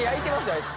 あいつ。